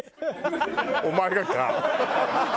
お前がか？